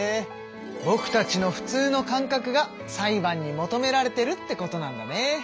ぼくたちのふつうの感覚が裁判に求められてるってことなんだね。